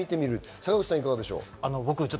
坂口さん、いかがでしょう？